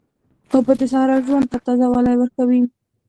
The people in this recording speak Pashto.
اوبه د صحرا ژوند ته تازه والی ورکوي.